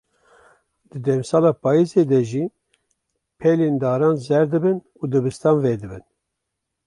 Di demsala payîzê de jî, pelên daran zer dibin û dibistan vedibin.